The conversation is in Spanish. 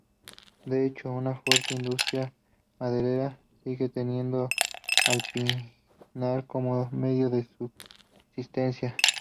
De hecho una fuerte industria maderera sigue teniendo al pinar como medio de subsistencia.